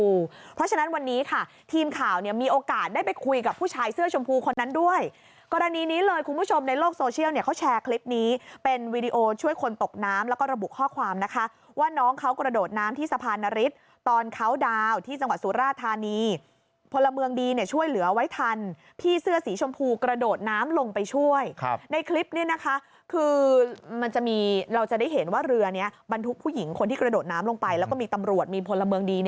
ผู้ชายเสื้อชมพูเพราะฉะนั้นวันนี้ค่ะทีมข่าวเนี่ยมีโอกาสได้ไปคุยกับผู้ชายเสื้อชมพูคนนั้นด้วยกรณีนี้เลยคุณผู้ชมในโลกโซเชียลเนี่ยเขาแชร์คลิปนี้เป็นวีดีโอช่วยคนตกน้ำแล้วก็ระบุข้อความนะคะว่าน้องเขากระโดดน้ำที่สะพานนฤทธิ์ตอนเขาดาวน์ที่จังหวัดสุราธารณีพลเมืองดีเนี่ยช่วยเหลือไว